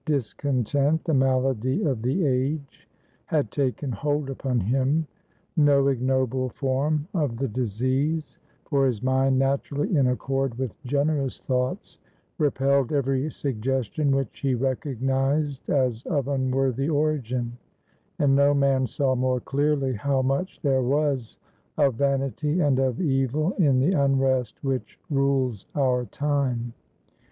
Discontent, the malady of the age, had taken hold upon him. No ignoble form of the disease; for his mind, naturally in accord with generous thoughts, repelled every suggestion which he recognised as of unworthy origin, and no man saw more clearly how much there was of vanity and of evil in the unrest which rules our time.